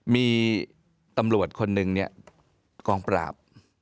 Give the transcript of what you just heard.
มีตำรวจคนหนึ่งเนี่ยกองปราบ